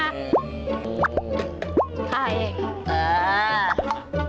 ใคร